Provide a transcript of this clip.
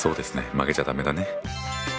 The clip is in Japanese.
負けちゃ駄目だね。